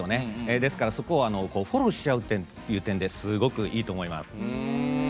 ですから、そこをフォローしあうという点ですごくいいと思います。